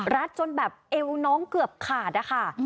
รัดจนแบบเอวน้องเกือบขาดค่ะ